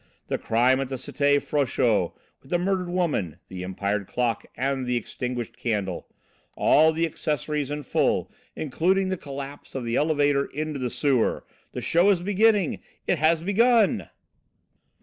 The crime at the Cité Frochot, with the murdered woman, the Empire clock, and the extinguished candle: all the accessories in full, including the collapse of the elevator into the sewer. The show is beginning! It has begun!"